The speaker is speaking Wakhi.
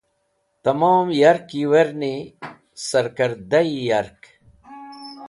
Tẽmom yark yiwerni sarkẽrdaẽ yark.